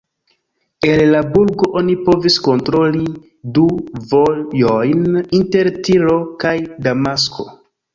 El la burgo oni povis kontroli du vojojn inter Tiro kaj Damasko.